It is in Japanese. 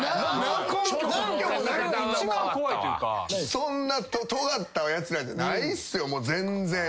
そんなとがったやつらじゃないっす全然！